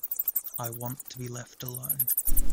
I want to be left alone.